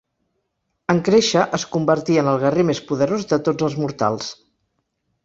En créixer, es convertí en el guerrer més poderós de tots els mortals.